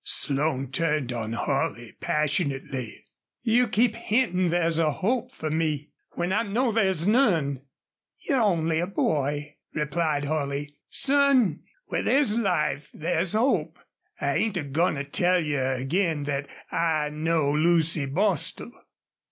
Slone turned on Holley passionately. "You keep hintin' there's a hope for me, when I know there's none!" "You're only a boy," replied Holley. "Son, where there's life there's hope. I ain't a goin' to tell you agin thet I know Lucy Bostil."